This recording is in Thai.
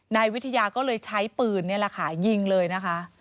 นายวิทยาก็เลยใช้ปืนนี่แหละค่ะยิงเลยนะคะ